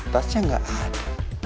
tas nya gak ada